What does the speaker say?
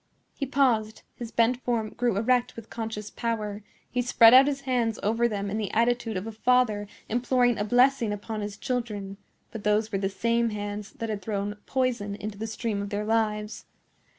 He paused; his bent form grew erect with conscious power; he spread out his hands over them in the attitude of a father imploring a blessing upon his children; but those were the same hands that had thrown poison into the stream of their lives.